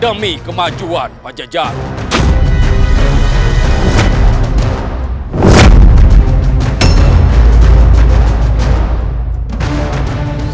demi kemajuan pada jajaran